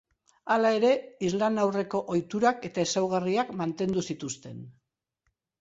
Hala ere, islam aurreko ohiturak eta ezaugarriak mantendu zituzten.